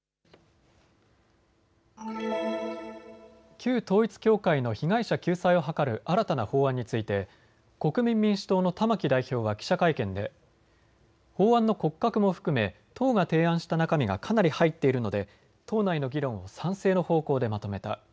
旧統一教会の被害者救済を図る新たな法案について国民民主党の玉木代表は記者会見で法案の骨格も含め、党が提案した中身がかなり入っているので党内の議論を賛成の方向でまとめた。